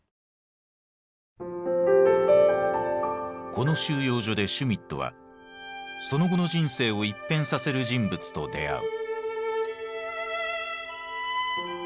この収容所でシュミットはその後の人生を一変させる人物と出会う。